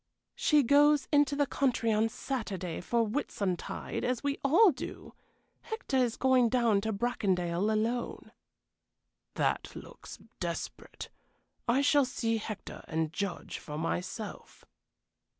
"She goes into the country on Saturday for Whitsuntide, as we all do. Hector is going down to Bracondale alone." "That looks desperate. I shall see Hector, and judge for myself."